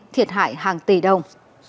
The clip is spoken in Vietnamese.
thiệt hại hàng tỷ đồng